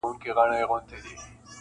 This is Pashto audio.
خلک نور ژوند کوي عادي,